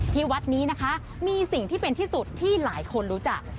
ที่วัดนี้นะคะมีสิ่งที่เป็นที่สุดที่หลายคนรู้จัก